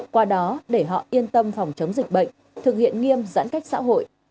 qua đó để họ yên tâm phòng chống dịch bệnh thực hiện nghiêm giãn cách xã hội